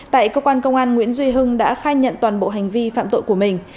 tại cơ quan công an nguyễn duy hưng đã khai nhận toàn bộ hành vi phạm tội của mình